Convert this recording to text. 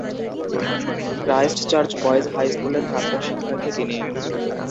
Christchurch boys high স্কুলের প্রাক্তন শিক্ষার্থী তিনি।